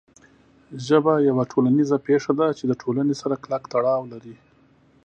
ژبه یوه ټولنیزه پېښه ده چې د ټولنې سره کلک تړاو لري.